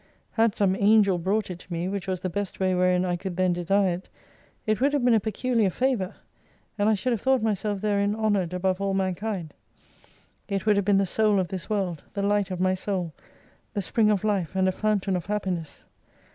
Had some Angel brought it to me, which was the best way wherein I could then desire it, it would have been a peculiar favour, and I should have thought myself therein honoured above all mankind. It would have been the Soul of this world, the light of my Soul, the spring of life, and a fountain of Happiness.